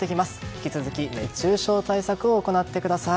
引き続き熱中症対策を行ってください。